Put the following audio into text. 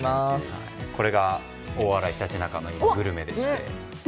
これが大洗、ひたちなかのグルメです。